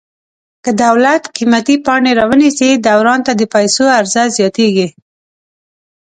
که دولت قیمتي پاڼې را ونیسي دوران ته د پیسو عرضه زیاتیږي.